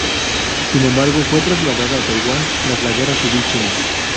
Sin embargo, fue traslada a Taiwan tras la Guerra civil china.